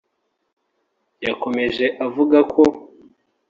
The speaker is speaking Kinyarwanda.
yakomeje avuga ko